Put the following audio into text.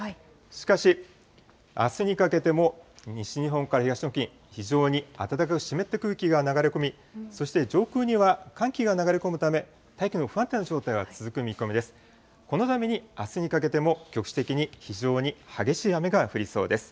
しかし、あすにかけても西日本から東日本付近、非常に暖かく湿った空気が流れ込み、そして上空には寒気が流れ込むため、大気の不安定な状態は続く見込みです。